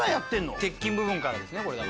鉄琴部分からですね。